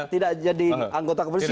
tidak jadi anggota kepolisian